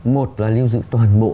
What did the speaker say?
một là lưu giữ toàn bộ